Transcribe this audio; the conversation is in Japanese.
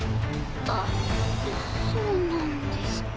あっそうなんですか。